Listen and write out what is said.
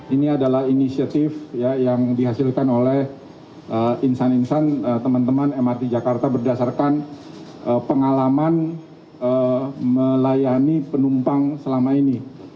ini adalah inisiatif yang dihasilkan oleh insan insan teman teman mrt jakarta berdasarkan pengalaman melayani penumpang selama ini